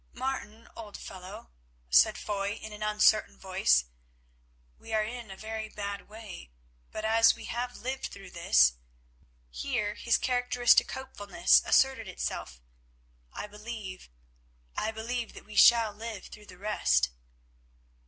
"Martin, old fellow," said Foy in an uncertain voice, "we are in a very bad way, but as we have lived through this"—here his characteristic hopefulness asserted itself—"I believe, I believe that we shall live through the rest."